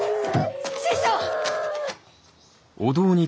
師匠！